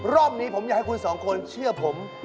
รอบนี้ผมอยากให้คุณสองคนเชื่อผม